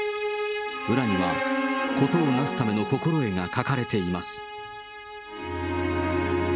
裏には、ことをなすための心得が書かれています。